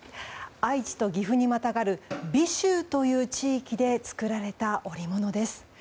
愛知と岐阜にまたがる尾州という地域で作られた織物です。